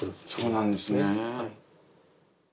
そうなんですね。